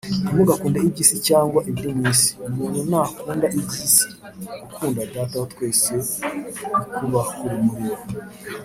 Ntimugakunde iby’isi cyangwa ibiri mu isi. Umuntu nakunda iby’isi, gukunda Data wa twese ntikuba kuri muri we